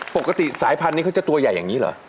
ปกติสายพันธุ์นี้เขาจะตัวใหญ่อย่างนี้เหรอ